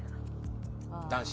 男子？